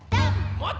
もっと！